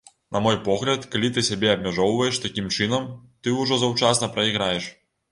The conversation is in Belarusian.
На мой погляд, калі ты сябе абмяжоўваем такім чынам, ты ўжо заўчасна прайграеш.